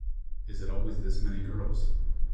Is it always this many girls?